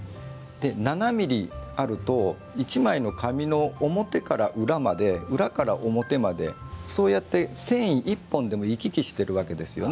７ｍｍあると１枚の紙の表から裏まで、裏から表までそうやって、繊維１本でも行き来してるわけですよね。